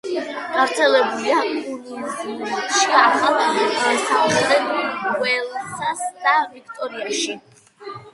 გავრცელებულია კუინზლენდში, ახალ სამხრეთ უელსსა და ვიქტორიაში.